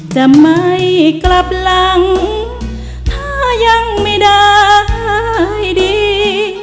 จะไม่กลับหลังถ้ายังไม่ได้ดี